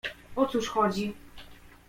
"O cóż chodzi?"